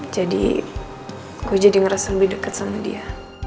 jadi gue jadi merasa lebih deket sama dia